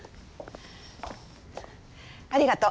ありがとう。